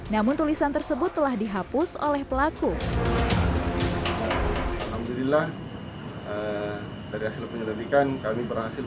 namun tulisan tersebut telah dihapus oleh pelaku alhamdulillah dari hasil penyelidikan kami berhasil